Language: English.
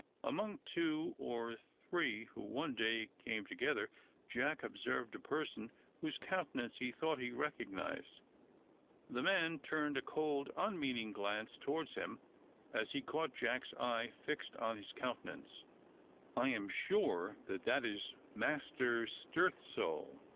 Among two or three who one day came together, Jack observed a person whose countenance he thought he recognised. The man turned a cold, unmeaning glance towards him as he caught Jack's eye fixed on his countenance. "I am sure that is Master Stirthesoul!"